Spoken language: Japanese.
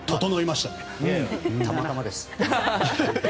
たまたまです。